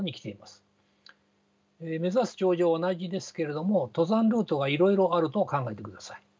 目指す頂上は同じですけれども登山ルートがいろいろあると考えてください。